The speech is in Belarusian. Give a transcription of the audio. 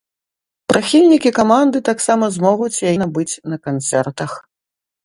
Прыхільнікі каманды таксама змогуць яе набыць на канцэртах.